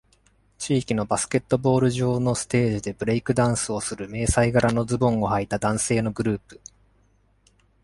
地域のバスケットボール場のステージでブレイクダンスをする迷彩柄のズボンを履いた男性のグループ。